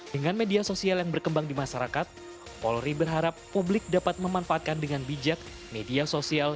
dengan media sosial yang berkembang di masyarakat polri berharap publik dapat memanfaatkan dengan bijak media sosial